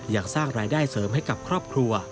ยังสร้างรายได้เสริมให้กับครอบครัว